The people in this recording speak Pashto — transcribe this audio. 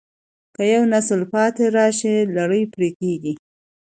که یو نسل پاتې راشي، لړۍ پرې کېږي.